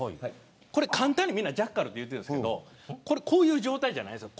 簡単にジャッカルって言ってるんですけどこういう状態じゃないんです。